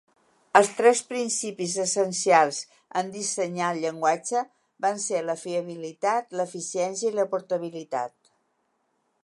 Els tres principis essencials en dissenyar el llenguatge van ser la fiabilitat, l'eficiència i la portabilitat.